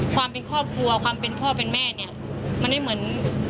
ความเป็นครอบครัวความเป็นพ่อเป็นแม่เนี่ยมันไม่เหมือน